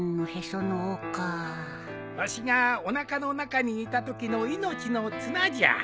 わしがおなかの中にいたときの命の綱じゃ。